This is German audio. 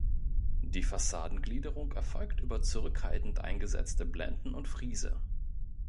Die Fassadengliederung erfolgt über zurückhaltend eingesetzte Blenden und Friese.